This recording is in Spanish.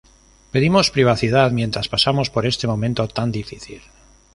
Pedimos privacidad mientras pasamos por este momento tan difícil".